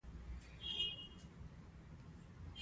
ایرانیان فیروزه خوښوي.